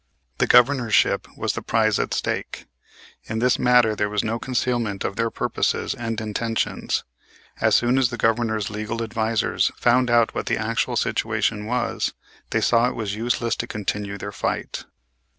The Governorship was the prize at stake. In this matter there was no concealment of their purposes and intentions. As soon as the Governor's legal advisers found out what the actual situation was, they saw it was useless to continue the fight.